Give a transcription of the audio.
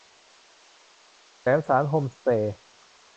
แสมสารโฮมสเตย์